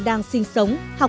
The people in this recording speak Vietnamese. hãy nhớ nhớ